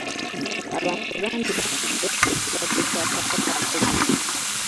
Abantu bangi bafudde ekirwadde ky'akawuka ka kolona.